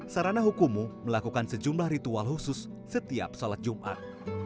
sarana hukumu melakukan sejumlah ritual khusus setiap sholat jumat